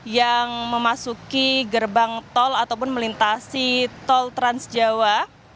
yang memasuki gerbang tol ataupun melintasi tol transjawa